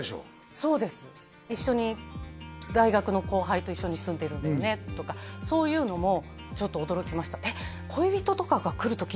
そうです大学の後輩と一緒に住んでるんだよねとかそういうのもちょっと驚きました